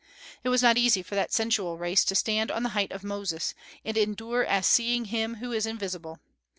It was not easy for that sensual race to stand on the height of Moses, and "endure as seeing him who is invisible."